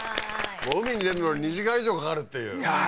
海に出るのに２時間以上かかるっていういやー